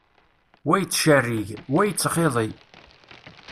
Wa yettcerrig, wa yettxiḍi.